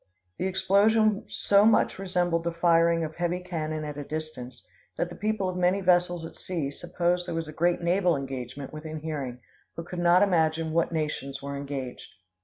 The explosion so much resembled the firing of heavy cannon at a distance that the people of many vessels at sea supposed there was a great naval engagement within hearing, but could not imagine what nations were engaged.